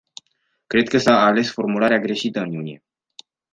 Cred că s-a ales formularea greșită în iunie.